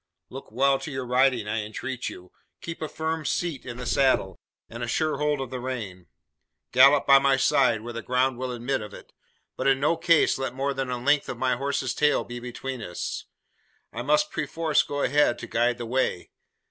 Look well to your riding, I entreat you! Keep a firm seat in the saddle, and a sure hold of the rein. Gallop by my side, where the ground will admit of it; but in no case let more than the length of my horse's tail be between us. I must perforce go ahead to guide the way.